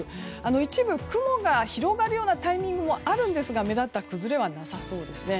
一部、雲が広がるようなタイミングもあるんですが目立った崩れはなさそうですね。